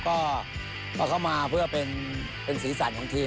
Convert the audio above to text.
ก็เอาเข้ามาเพื่อเป็นสีสันของทีม